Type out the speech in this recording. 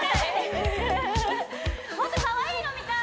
もっとかわいいの見たい！